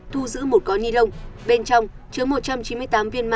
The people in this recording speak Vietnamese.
thu giữ một gói nhi lông bên trong chứa một trăm chín mươi tám viên ma